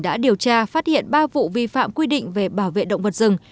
đã điều tra phát hiện ba vụ vi phạm quy định về bảo vệ động vật rừng